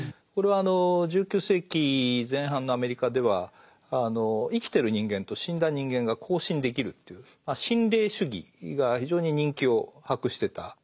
これは１９世紀前半のアメリカでは生きてる人間と死んだ人間が交信できるという心霊主義が非常に人気を博してた。